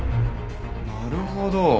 なるほど。